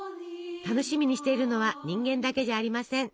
楽しみにしているのは人間だけじゃありません。